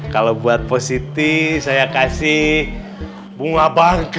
kalau buat positi saya kasih bunga bangkit